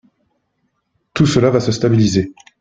Tout cela va se stabiliser.